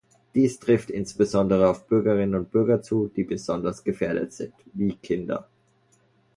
Dies trifft insbesondere auf Bürgerinnen und Bürger zu, die besonders gefährdet sind, wie Kinder.